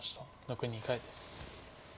残り２回です。